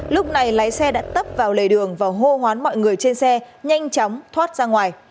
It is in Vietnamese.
lúc này lái xe đã tấp vào lề đường và hô hoán mọi người trên xe nhanh chóng thoát ra ngoài